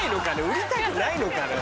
売りたくないのかね